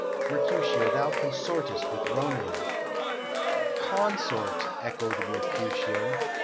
"Mercutio, thou consortest with Romeo " "Consort!" echoed Mercutio.